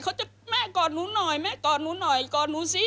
เขาจะแม่ก่อนหนูหน่อยแม่ก่อนหนูหน่อยก่อนหนูซิ